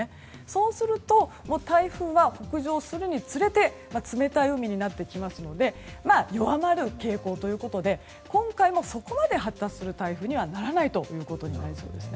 そうすると台風は北上するにつれて冷たい海になってきますので弱まる傾向ということで今回もそこまで発達する台風にはならないということになりそうです。